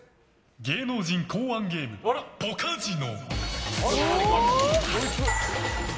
芸能人考案ゲームポカジノ。